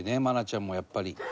愛菜ちゃんも、やっぱり。